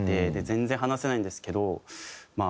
全然話せないんですけどま